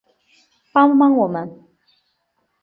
帮帮我们